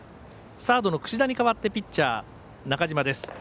サードの櫛田に代わってピッチャー中嶋です。